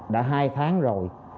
đã hai tháng rồi